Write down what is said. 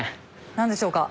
何でしょうか？